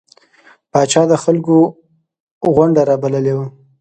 پاچا د خلکو غونده رابللې وه.